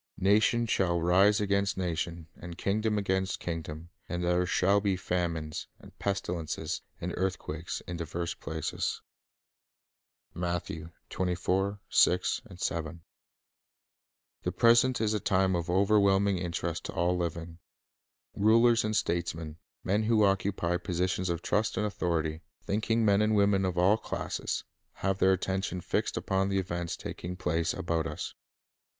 ... Nation shall rise against nation, and kingdom against kingdom; and there shall be famines, and pestilences, and earth quakes, in divers places." 2 The present is a time of overwhelming interest to all living. Rulers and statesmen, men who occupy posi tions of trust and authority, thinking men and women of all classes, have their attention fixed upon the events On the \ cv tr c of taking place about us.